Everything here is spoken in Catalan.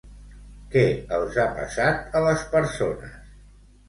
Què els ha passat a les persones?